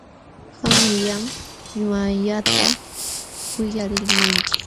Qamllam ñuqallata uyalimanki.